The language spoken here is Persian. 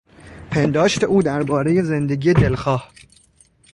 پنداشت او دربارهی زندگی دلخواه